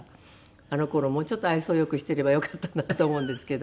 あの頃もうちょっと愛想良くしていればよかったなと思うんですけど。